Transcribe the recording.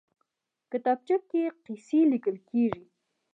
کتابچه کې قصې لیکل کېږي